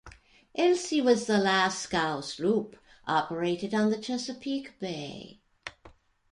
"Elsie" was the last scow sloop operated on the Chesapeake Bay.